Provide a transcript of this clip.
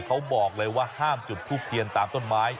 เขาบอกเลยว่าห้ามจุดทูปเทียนตามต้นไม้